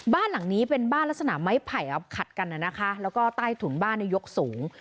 บ้านหลังนี้เป็นบ้านลักษณะไม้ไผ่ขัดกันนะคะแล้วก็ใต้ถุนบ้านยกสูง